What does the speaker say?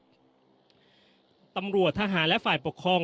ที่ท่าอากาศยานบ๖ดอนเมืองครับตำรวจทหารและฝ่ายปกครอง